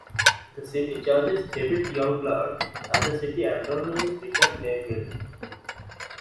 The city judge is David Youngblood, and the city attorney is Richard Mayfield.